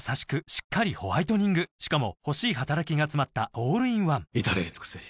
しっかりホワイトニングしかも欲しい働きがつまったオールインワン至れり尽せり